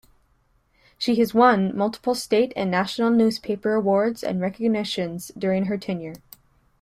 She has won multiple state and national newspaper awards and recognitions during her tenure.